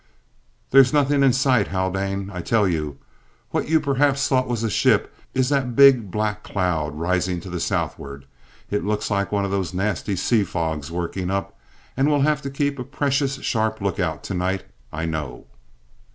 "There's nothing in sight, Haldane, I tell you. What you perhaps thought was a ship is that big black cloud rising to the southward. It looks like one of those nasty sea fogs working up, and we'll have to keep a precious sharp look out to night, I know."